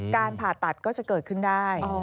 การผ่าตัดก็จะเกิดขึ้นได้